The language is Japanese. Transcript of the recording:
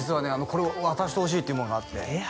これを渡してほしいっていうものがあってえっ